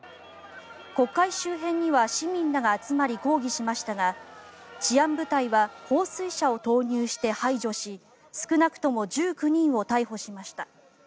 国会周辺には市民らが集まり抗議しましたが治安部隊は放水車を投入して排除し少なくとも１９人を逮捕しました。